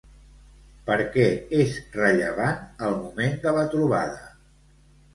Per què és rellevant el moment de la trobada?